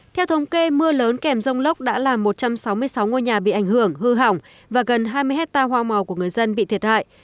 theo thống kê mưa lớn kèm rông lốc đã làm một trăm sáu mươi sáu ngôi nhà bị ảnh hưởng hư hỏng và gần hai mươi hectare hoa màu của người dân bị thiệt hại